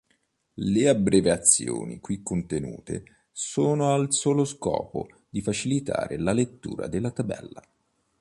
Le abbreviazioni qui contenute sono al solo scopo di facilitare la lettura della tabella.